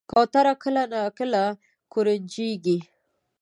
کوتره کله ناکله ګورجنیږي.